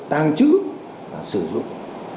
tàn trữ sử dụng